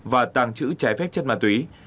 và tàng trữ trái phép chất ma túy